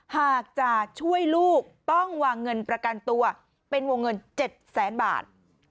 หากจะช่วยลูกต้องวางเงินประกันตัวเป็นวงเงิน๗แสนบาท